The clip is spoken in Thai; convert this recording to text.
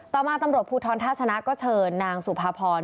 ต่อมาตำรวจภูทรท่าชนะก็เชิญนางสุภาพร